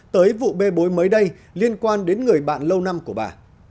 tới vụ bê bối mới đây liên quan đến người bạn lâu năm của bà